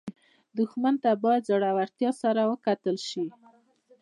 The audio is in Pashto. دښمن ته باید زړورتیا سره وکتل شي